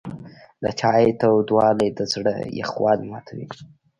د چای تودوالی د زړه یخوالی ماتوي.